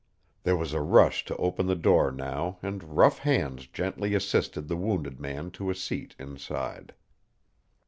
There was a rush to open the door now and rough hands gently assisted the wounded man to a seat inside.